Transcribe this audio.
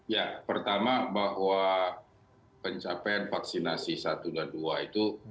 ya pertama bahwa pencapaian vaksinasi satu dan dua itu